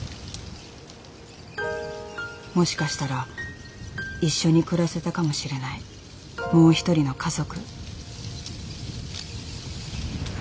もしかしたら一緒に暮らせたかもしれないもう一人の家族。